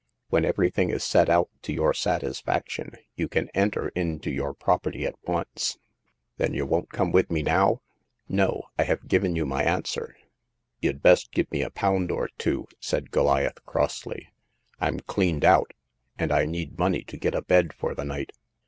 When everything is set out to your satisfaction, you can enter into your prop erty at once." Then j^ou won't come now ?"" No ; I have given you my answer.'* " You'd best give me a pound or two," said Goliath, crossly. I'm cleaned out, and I need money to get a bed for the night.